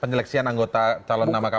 penyeleksian anggota calon nama kpu ya